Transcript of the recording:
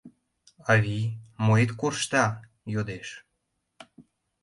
— Авий, моэт коршта? — йодеш.